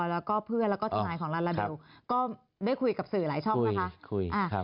แล้วก็เพื่อนแล้วก็ทนายของลาลาเบลก็ได้คุยกับสื่อหลายช่องนะคะ